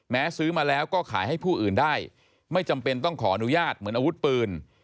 ซื้อมาแล้วก็ขายให้ผู้อื่นได้ไม่จำเป็นต้องขออนุญาตเหมือนอาวุธปืน